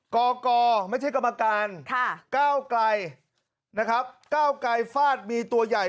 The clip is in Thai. กกไม่ใช่กรรมการก้าวไกลนะครับก้าวไกลฟาดมีตัวใหญ่